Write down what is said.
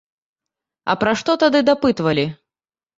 А пра што тады дапытвалі?